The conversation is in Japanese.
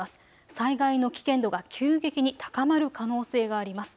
災害の危険度が急激に高まる可能性があります。